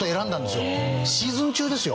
シーズン中ですよ。